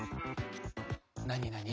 なになに？